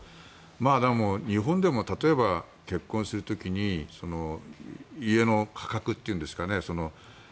でも、日本でも例えば結婚する時に家の家格というんですかね